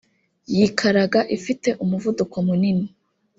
yikaraga ifite umuvuduko munini